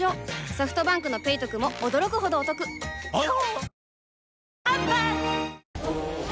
ソフトバンクの「ペイトク」も驚くほどおトクわぁ！